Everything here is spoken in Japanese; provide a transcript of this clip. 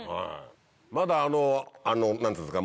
まだあの何ていうんですか